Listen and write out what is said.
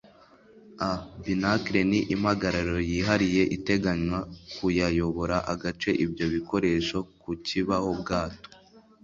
A Binnacle ni impagararo yihariye iteganywa kuyayobora agace ibyo bikoresho ku kibaho bwato